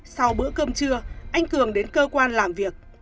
sau bữa cơm trưa anh cường đến cơ quan làm việc